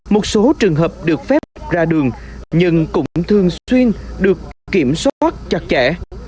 một số trường hợp được phép ra đường nhưng cũng thường xuyên được kiểm soát chặt chẽ